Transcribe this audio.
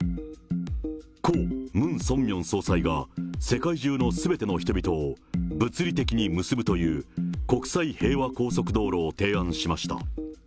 故・ムン・ソンミョン総裁が世界中のすべての人々を物理的に結ぶという、国際平和高速道路を提案しました。